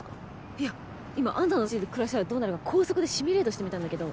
いや今あんたの家で暮らしたらどうなるか高速でシミュレートしてみたんだけど。